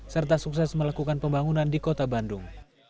serta sukses melakukan pembangunan di kota bandung